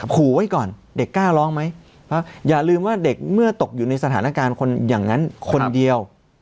ขู่ไว้ก่อนเด็กกล้าร้องไหมเพราะอย่าลืมว่าเด็กเมื่อตกอยู่ในสถานการณ์คนอย่างนั้นคนเดียว